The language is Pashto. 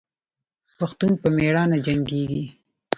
پښتون په میړانه جنګیږي.